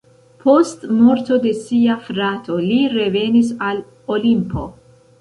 Post morto de sia frato li revenis al Olimpo.